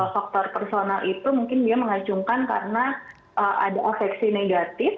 faktor personal itu mungkin dia mengacungkan karena ada afeksi negatif